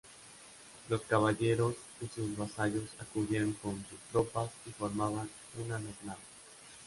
Los caballeros y sus vasallos acudían con sus tropas y formaban una mesnada.